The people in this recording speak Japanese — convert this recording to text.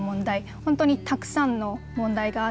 本当にたくさんの問題があって。